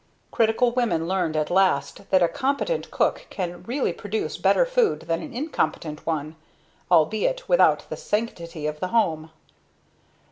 Critical women learned at last that a competent cook can really produce better food than an incompetent one; albeit without the sanctity of the home.